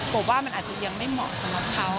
ผมว่ามันอาจจะยังไม่เหมาะสำหรับเขา